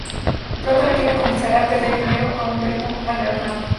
Pronto, la tienda comenzaría a perder dinero a un ritmo alarmante.